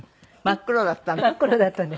真っ黒だったんです。